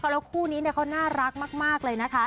แล้วคู่นี้เขาน่ารักมากเลยนะคะ